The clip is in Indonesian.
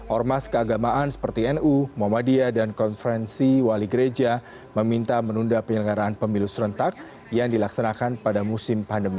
ormas keagamaan seperti nu muhammadiyah dan konferensi wali gereja meminta menunda penyelenggaraan pemilu serentak yang dilaksanakan pada musim pandemi